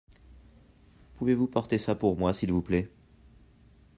Pouvez-vous porter ça pour moi s’il vous plait.